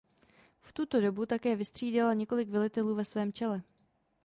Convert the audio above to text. V tuto dobu také vystřídala několik velitelů ve svém čele.